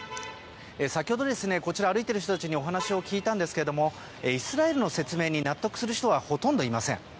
先ほど、歩いている人たちにお話を聞いたんですがイスラエルの説明に納得する人はほとんどいません。